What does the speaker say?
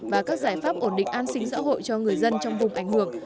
và các giải pháp ổn định an sinh xã hội cho người dân trong vùng ảnh hưởng